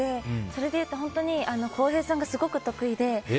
それでいうと、本当に洸平さんがすごく得意で。